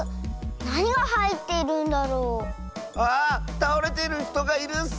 たおれてるひとがいるッス！